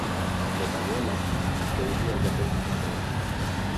Le Peñuela, que hoy día ya pocos la conocen.